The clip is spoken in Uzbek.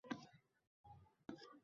Baxtim deding shumi topganing